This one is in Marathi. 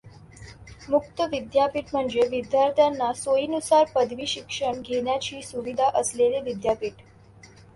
मुक्त विद्यापीठ म्हणजे विद्यार्थ्यांना सोईनुसार पदवी शिक्षण घेण्याची सुविधा असलेले विद्यापीठ.